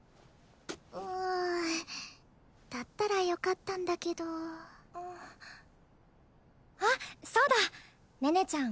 うんだったらよかったんだけどああっそうだ寧々ちゃん